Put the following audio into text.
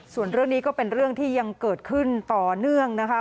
ส่วนเรื่องนี้ก็เป็นเรื่องที่ยังเกิดขึ้นต่อเนื่องนะคะ